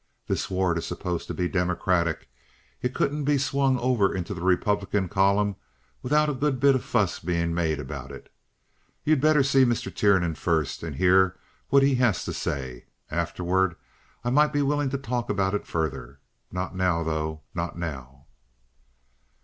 This ward is supposed to be Democratic. It couldn't be swung over into the Republican column without a good bit of fuss being made about it. You'd better see Mr. Tiernan first and hear what he has to say. Afterward I might be willing to talk about it further. Not now, though—not now."